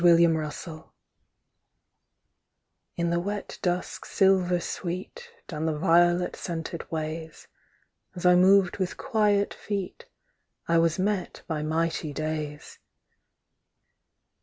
THE MEMORY OF EARTH In the wet dusk silver sweet, Down the violet scented ways, As I moved with quiet feet I was met by mighty days.